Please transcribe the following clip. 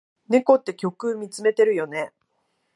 猫って虚空みつめてるよね。